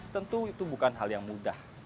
tentu itu bukan hal yang mudah